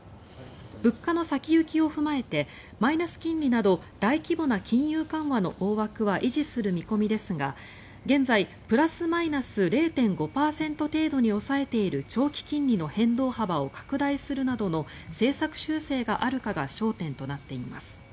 物価の先行きを踏まえてマイナス金利など大規模な金融緩和の大枠は維持する見込みですが現在、プラスマイナス０．５％程度に抑えている長期金利の変動幅を拡大するなどの政策修正があるかが焦点となっています。